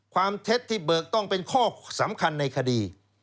เท็จที่เบิกต้องเป็นข้อสำคัญในคดี